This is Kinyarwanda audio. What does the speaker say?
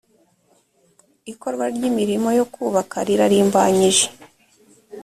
ikorwa ry’imirimo yo kubaka rirarimbanyije